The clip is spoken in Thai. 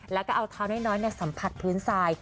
แล้วก็เอาเท้าน้อยสัมผัสพื้นทราย